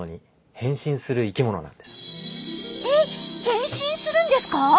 変身するんですか？